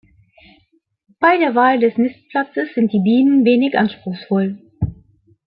Bei der Wahl des Nistplatzes sind die Bienen wenig anspruchsvoll.